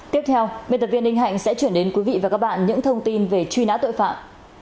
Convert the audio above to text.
tiếp theo biên tập viên ninh hạnh sẽ chuyển đến quý vị và các bạn những thông tin về truy nã tội phạm